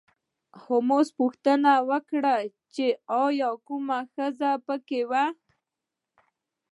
هولمز پوښتنه وکړه چې ایا کومه ښځه په کې وه